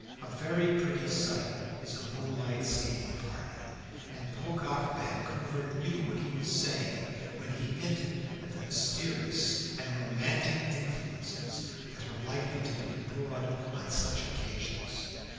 A very pretty sight is a moonlight skating party, and Pocock Vancouver knew what he was saying when he hinted at the mysterious and romantic influences that are likely to be abroad on such occasions.